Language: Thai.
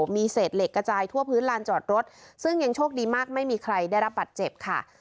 มีเศษเหล็กกระจายทั่วพื้นลานจอดรถซึ่งยังโชคดีมากไม่มีใครได้รับบัตรเจ็บค่ะ